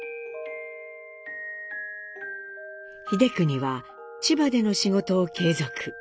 英邦は千葉での仕事を継続。